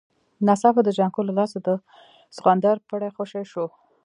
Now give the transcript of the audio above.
ناڅاپه د جانکو له لاسه د سخوندر پړی خوشی شو.